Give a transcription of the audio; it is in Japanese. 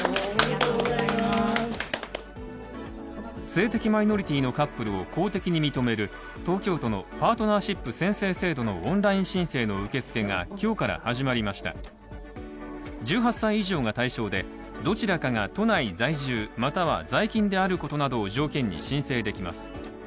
性的マイノリティーのカップルを公的に認める東京都のパートナーシップ宣誓制度のオンライン申請の受付が今日から始まりました１８歳以上が対象で、どちらかが都内在住、または在勤であることなどを条件に申請できます。